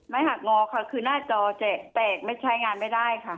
หักงอค่ะคือหน้าจอจะแตกไม่ใช้งานไม่ได้ค่ะ